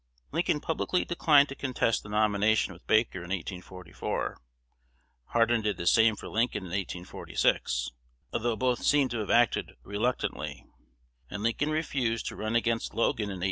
Lincoln publicly declined to contest the nomination with Baker in 1844; Hardin did the same for Lincoln in 1846 (although both seem to have acted reluctantly), and Lincoln refused to run against Logan in 1848.